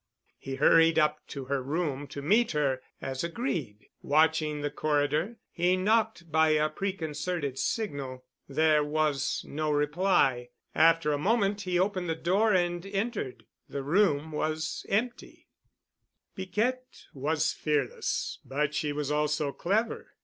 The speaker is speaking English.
He hurried up to her room to meet her, as agreed. Watching the corridor, he knocked by a preconcerted signal. There was no reply. After a moment he opened the door and entered. The room was empty. Piquette was fearless but she was also clever.